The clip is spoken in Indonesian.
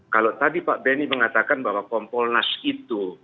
kalau tadi pak benny mengatakan bahwa kompolnas itu